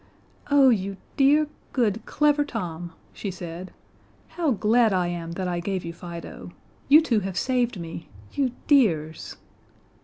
"Oh, you dear, good, clever Tom," she said. "How glad I am that I gave you Fido. You two have saved me. You dears!"